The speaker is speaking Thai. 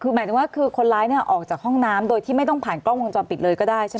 คือหมายถึงว่าคือคนร้ายเนี่ยออกจากห้องน้ำโดยที่ไม่ต้องผ่านกล้องวงจรปิดเลยก็ได้ใช่ไหม